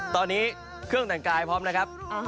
ตอนนี้เครื่องแต่งกายพร้อมนะครับ